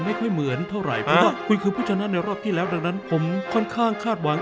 เสร็จแล้วค่ะ